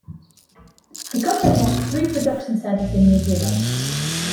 The company has three production centres in New Zealand.